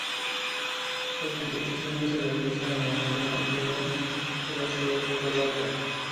Las competiciones se realizarán en la Arena Toruń de la ciudad polaca.